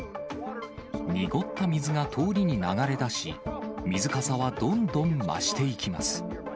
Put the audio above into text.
濁った水が通りに流れ出し、水かさはどんどん増していきます。